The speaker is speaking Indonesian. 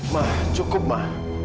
ma hangat semua saja